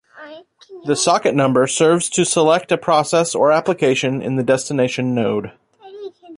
The socket number serves to select a process or application in the destination node.